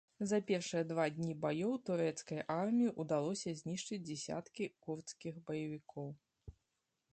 За першыя два дні баёў турэцкай арміі ўдалося знішчыць дзясяткі курдскіх баевікоў.